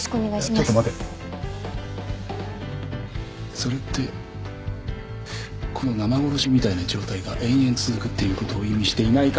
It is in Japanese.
それってこの生殺しみたいな状態が延々続くっていう事を意味していないか？